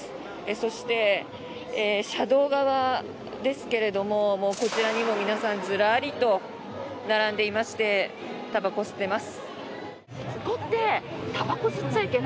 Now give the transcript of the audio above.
そして、車道側ですがこちらにも皆さんズラリと並んでいましてたばこを吸っています。